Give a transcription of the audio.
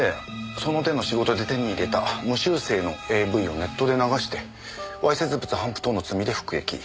その手の仕事で手に入れた無修正のＡＶをネットで流して猥褻物頒布等の罪で服役。